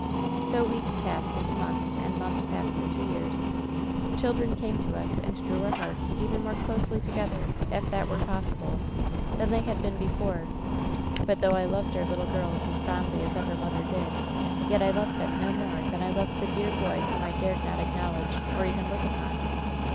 "So weeks passed into months, and months passed into years. Children came to us, and drew our hearts even more closely together, if that were possible, than they had been before; but though I loved our little girls as fondly as ever mother did, yet I loved them no more ^ than I loved the dear boy whom I dared not acknowledge, or even look upon.